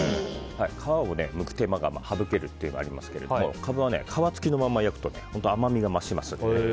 皮をむく手間が省けるというのがありますけどカブは皮付きのまま焼くと甘みが増しますので。